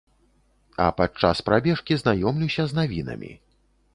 А падчас прабежкі знаёмлюся з навінамі.